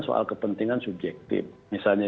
soal kepentingan subjektif misalnya